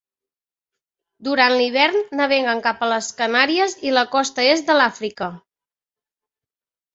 Durant l'hivern naveguen cap a les Canàries i la costa est de l'Àfrica.